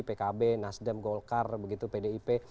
pkb nasdem golkar begitu pdip